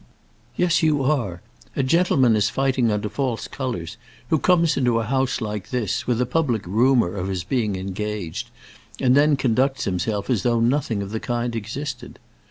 "Yes, you are. A gentleman is fighting under false colours who comes into a house like this, with a public rumour of his being engaged, and then conducts himself as though nothing of the kind existed.